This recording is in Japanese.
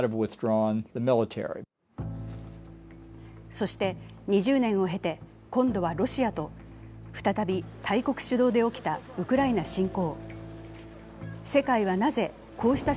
そして、２０年を経て今度はロシアと、再び大国主導で起きたウクライナ侵攻。